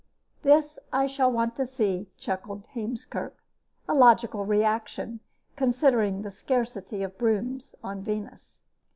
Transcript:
"This I shall want to see," chuckled Heemskerk; a logical reaction, considering the scarcity of brooms on Venus.